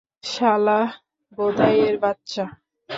শালা ভোদাইয়ের বাচ্চা!